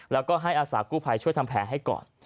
แล้วก็ให้อาสากู้ภัยช่วยทำแผลให้ก่อน